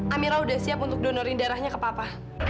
amira udah siap untuk donorin darahnya ke papa